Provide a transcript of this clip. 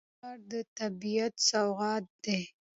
انار د طبیعت سوغات دی.